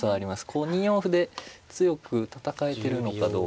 こう２四歩で強く戦えているのかどうか。